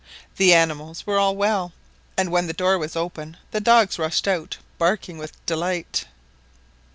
The animals were all well, and when the door was opened, the dogs rushed out barking with delight.